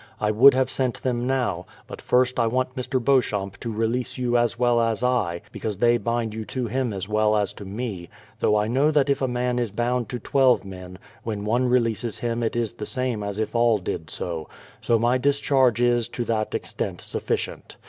I would have sent them now, but first I want Mr. Beauchamp to release you as well as I, because they bind you to him as well as to me, though I know that if a man is bound to twelve men, when one releases him it is the same as if all did so; so my discharge is to that extent sufficient.